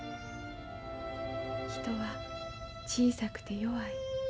人は小さくて弱い。